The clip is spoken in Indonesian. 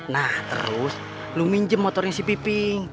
nah terus lo minjem motornya si piping